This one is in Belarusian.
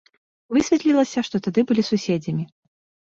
Высветлілася, што тады былі суседзямі.